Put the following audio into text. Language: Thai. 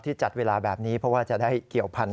จัดเวลาแบบนี้เพราะว่าจะได้เกี่ยวพันธุ